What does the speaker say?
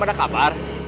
belum ada kabar